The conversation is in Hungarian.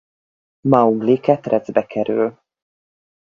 Maugli ketrecbe kerül.